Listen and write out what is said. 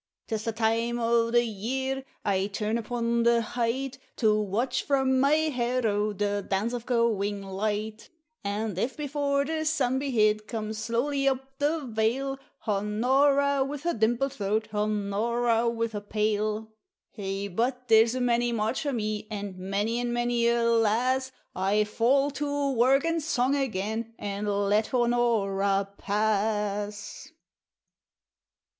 'Tis the time o' the year I turn upon the height To watch from my harrow the dance of going light; And if before the sun be hid, come slowly up the vale Honora with her dimpled throat, Honora with her pail, Hey, but there's many a March for me, and many and many a lass! I fall to work and song again, and let Honora pass.